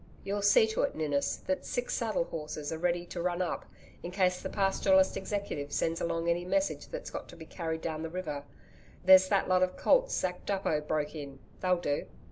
'You'll see to it, Ninnis, that six saddle horses are kept ready to run up, in case the Pastoralist Executive sends along any message that's got to be carried down the river there's that lot of colts Zack Duppo broke in, they'll do.